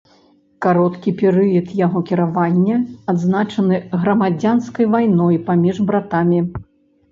Кароткі перыяд яго кіравання адзначаны грамадзянскай вайной паміж братамі.